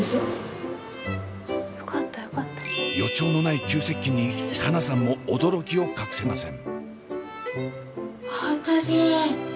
予兆のない急接近に佳奈さんも驚きを隠せません。